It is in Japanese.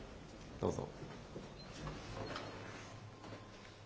どうぞ。